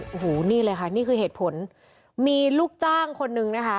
โอ้โหนี่เลยค่ะนี่คือเหตุผลมีลูกจ้างคนนึงนะคะ